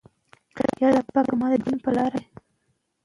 که دیګ وي نو ډوډۍ نه خامېږي.